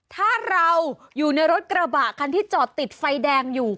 ถ้าเราอยู่ในรถกระบะคันที่จอดติดไฟแดงอยู่